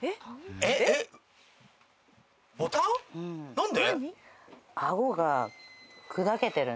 何で？